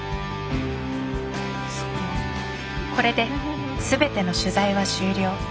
これで全ての取材は終了。